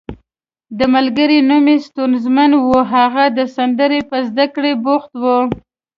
د ملګري نوم یې سیمونز وو، هغه د سندرو په زده کړه بوخت وو.